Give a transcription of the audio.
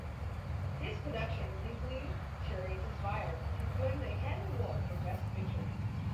His productions include "Chariots of Fire", which won the Academy Award for Best Picture.